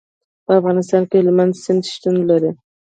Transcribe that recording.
په افغانستان کې هلمند سیند شتون لري.